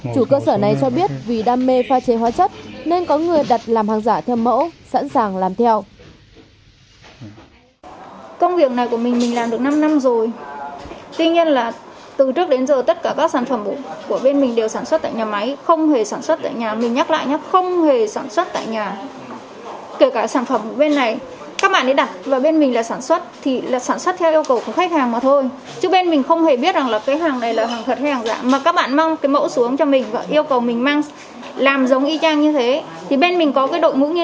chủ cơ sở này cho biết vì đam mê pha chế hóa chất nên có người đặt làm hàng giả theo mẫu sẵn sàng làm theo